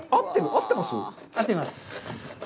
合ってます。